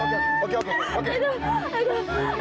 aduh kan aku berdarah